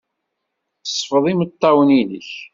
Sfeḍ imeṭṭawen-nnek.